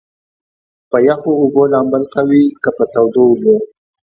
چې پۀ يخو اوبو لامبل ښۀ وي کۀ پۀ تودو اوبو ؟